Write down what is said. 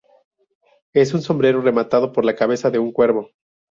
Es un sombrero rematado por la cabeza de un cuervo.